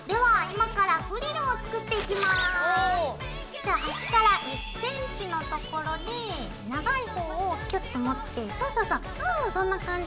じゃあ端から１ｃｍのところで長い方をキュッと持ってそうそうそうそうそんな感じ。